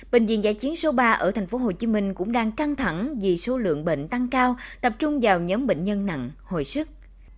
bệnh viện giã chiến số ba ở tp hcm cũng đang căng thẳng vì số lượng bệnh tăng cao tập trung vào nhóm bệnh nhân nặng hồi sức